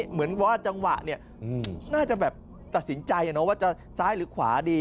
เหมือนว่าจังหวะเนี่ยน่าจะแบบตัดสินใจว่าจะซ้ายหรือขวาดี